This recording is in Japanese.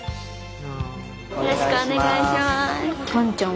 よろしくお願いします。